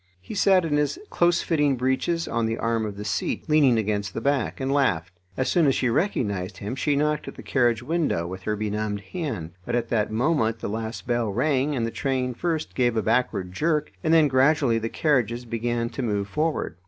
He sat in his closefitting breeches on the arm of the seat, leaning against the back, and laughed. As soon as she recognised him she knocked at the carriage window with her benumbed hand, but at that moment the last bell rang, and the train first gave a backward jerk, and then gradually the carriages began to move forward.